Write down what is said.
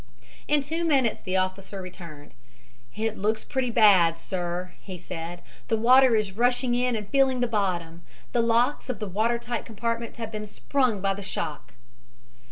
In two minutes the officer returned. "It looks pretty bad, sir," he said. "The water is rushing in and filling the bottom. The locks of the water tight compartments have been sprung by the shock."